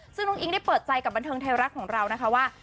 ซึ่งน้องอิ๊งได้เปิดใจกับบันเทิงไทยรัฐของเรานะคะว่า